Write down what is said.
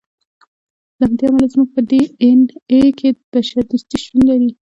له همدې امله زموږ په ډي اېن اې کې بشر دوستي شتون لري.